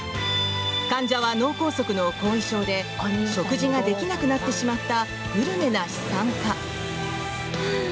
患者は脳梗塞の後遺症で食事ができなくなってしまったグルメな資産家。